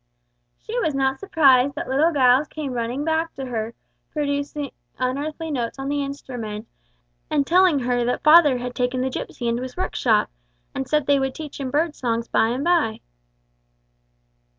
She was not surprised that little Giles came running back to her, producing unearthly notes on the instrument, and telling her that father had taken the gipsy into his workshop, and said they would teach him bird's songs by and by.